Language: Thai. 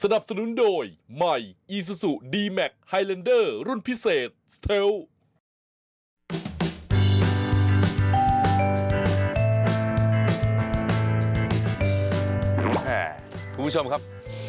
คุณผู้ชมครับ